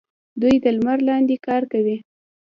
دوی د لمر لاندې کار کوي.